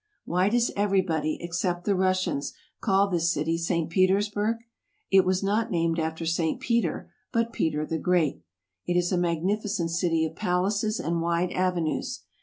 Why does everybody, except the Russians, call this city St. Petersburg ? It was not named after St. Peter, but Peter the Great. It is a magnificent city of palaces and wide avenues.